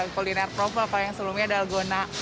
kuliner kroffel paling sebelumnya adalah gona